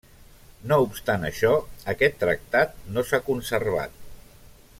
No obstant això, aquest tractat no s'ha conservat.